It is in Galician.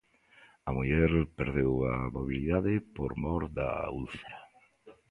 A muller perdeu a mobilidade por mor da úlcera.